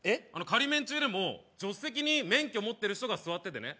仮免中でも助手席に免許持ってる人が座っててね